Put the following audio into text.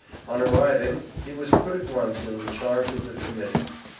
On arriving, he was put at once in the charge of the Committee.